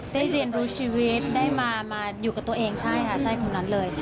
ได้เรียนรู้ชีวิตได้มาอยู่กับตัวเองใช่ค่ะใช่คนนั้นเลย